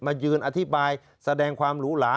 ยืนอธิบายแสดงความหรูหลา